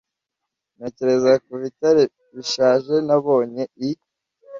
Ntekereza ku bitare bishaje nabonye i